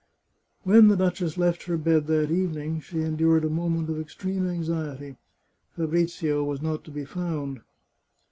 When the duchess left her bed that evening, she endured a moment of extreme anxiety. Fabrizio was not to be found.